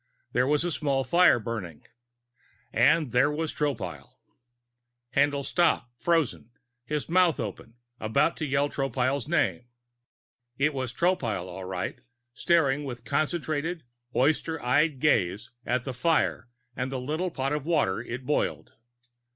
There a small fire, burning And there was Tropile. Haendl stopped, frozen, his mouth opened, about to yell Tropile's name. It was Tropile, all right, staring with concentrated, oyster eyed gaze at the fire and the little pot of water it boiled.